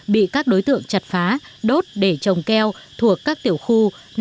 bị các đối tượng chặt phá đốt để trồng keo thuộc các tiểu khu năm trăm năm mươi sáu năm trăm năm mươi bảy